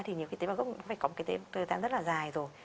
thì nhiều y tế bào gốc cũng phải có một cái thời gian rất là dài rồi